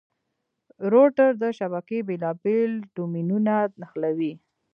روټر د شبکې بېلابېل ډومېنونه نښلوي.